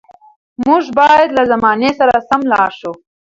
موږ باید له زمانې سره سم لاړ شو.